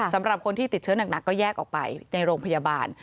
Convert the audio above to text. สำหรับคนที่ติดเชื้อหนักก็แยกออกไปในโรงพยาบาล